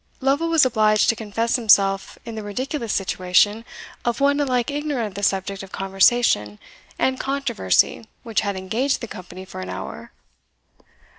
Lovel was obliged to confess himself in the ridiculous situation of one alike ignorant of the subject of conversation and controversy which had engaged the company for an hour.